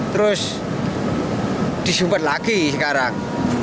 terus disumpat lagi sekarang